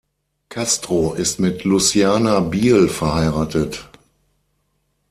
Castro ist mit Luciana Beal verheiratet.